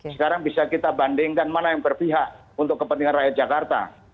sekarang bisa kita bandingkan mana yang berpihak untuk kepentingan rakyat jakarta